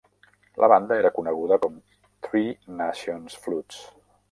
La banda era coneguda com Three Nations Flutes.